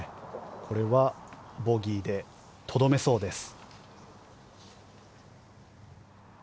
これはボギーでとどめそうです。